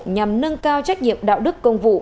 nhằm nâng cao trách nhiệm đạo đức công vụ